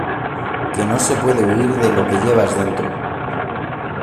que no se puede huir de lo que llevas dentro...